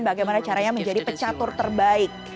bagaimana caranya menjadi pecatur terbaik